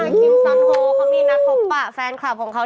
คิมซอนโฮเขามีนัดพบปะแฟนคลับของเขา